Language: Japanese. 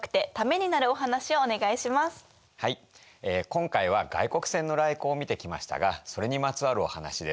今回は外国船の来航を見てきましたがそれにまつわるお話です。